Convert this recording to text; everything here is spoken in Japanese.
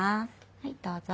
はいどうぞ。